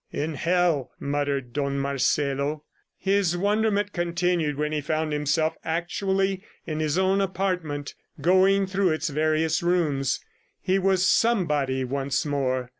... "In hell!" muttered Don Marcelo. His wonderment continued when he found himself actually in his own apartment, going through its various rooms. He was somebody once more.